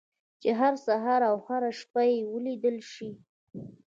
چې هر سهار او هره شپه يې وليدلای شئ.